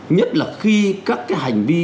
nhất là khi các cái hành vi